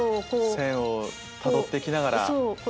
線をたどって行きながら。